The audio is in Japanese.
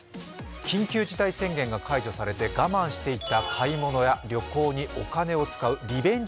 緊急事態宣言が解除されて我慢していた買い物や旅行にお金を使うリベンジ